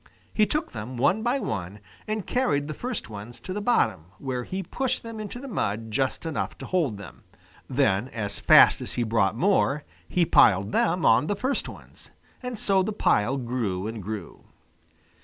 He took them one by one and carried the first ones to the bottom, where he pushed them into the mud just enough to hold them. Then, as fast as he brought more, he piled them on the first ones. And so the pile grew and grew.